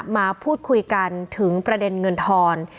มาพูดคุยกันถึงประเด็นเงินทอน